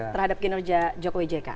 terhadap kinerja jokowi jk